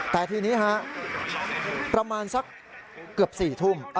แต่ทีนี้ฮะประมาณสักเกือบ๔ทุ่ม